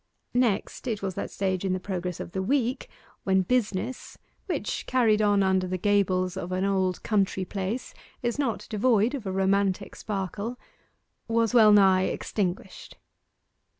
Next, it was that stage in the progress of the week when business which, carried on under the gables of an old country place, is not devoid of a romantic sparkle was well nigh extinguished.